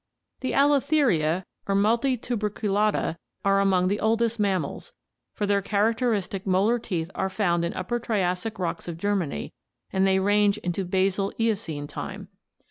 The AUotheria or Multi tube rcu lata are among the oldest of mam mals, for their characteristic molar teeth are found in Upper Triassic rocks of Germany and they range into basal Eocene time.